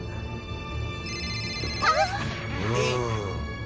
あっ！